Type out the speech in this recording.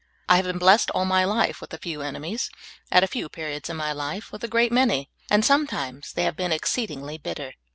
I have been blessed all my life with a few^ enemies ; at a few periods in my life wdth a great manj^ and sometimes they have been exceedingly bitter.